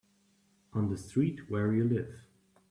On the street where you live.